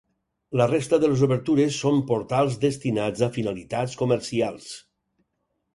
La resta de les obertures són portals destinats a finalitats comercials.